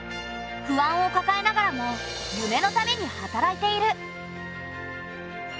不安をかかえながらも夢のために働いている。